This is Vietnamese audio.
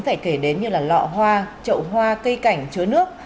phải kể đến như lọ hoa trậu hoa cây cảnh chứa nước